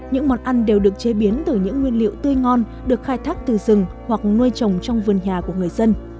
những món ăn đều được chế biến từ những nguyên liệu tươi ngon được khai thác từ rừng hoặc nuôi trồng trong vườn nhà của người dân